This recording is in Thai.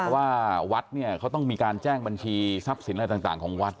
เพราะว่าวัดเนี่ยเขาต้องมีการแจ้งบัญชีทรัพย์สินอะไรต่างของวัด